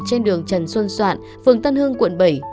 trên đường trần xuân soạn phường tân hưng quận bảy